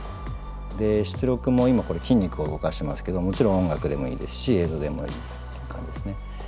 出力も今これ筋肉を動かしてますけどもちろん音楽でもいいですし映像でもいい感じですね。